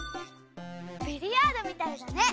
ビリヤードみたいだね！